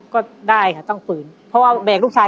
ก็ได้ค่ะต้องฝืนเพราะว่าแบกลูกชาย